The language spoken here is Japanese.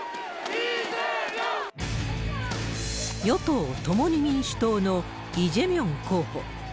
与党・共に民主党のイ・ジェミョン候補。